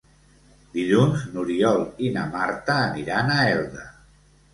Dilluns n'Oriol i na Marta aniran a Elda.